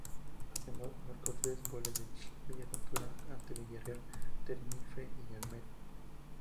Además, marcó tres goles de bella factura ante Villarreal, Tenerife y Almería.